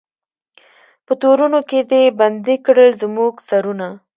په تورونو کي دي بند کړل زموږ سرونه